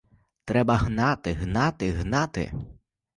Треба гнати, гнати, гнати.